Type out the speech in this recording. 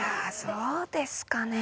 そうですかね